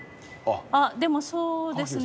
あっでもそうですね。